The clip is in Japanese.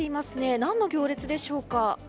何の行列でしょうか。